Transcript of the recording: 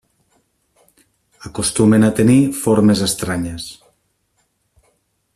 Acostumen a tenir formes estranyes.